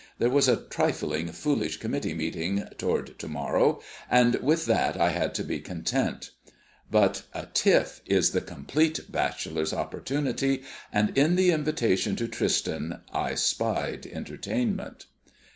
There was a trifling foolish committee meeting toward to morrow, and with that I had to be content. But a tiff is the Compleat Bachelor's opportunity, and in the invitation to Tristan I spied entertainment.